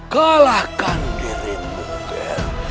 kalahkan dirimu ger